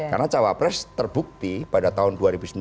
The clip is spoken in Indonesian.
karena cawapres terbukti pada tahun dua ribu sembilan belas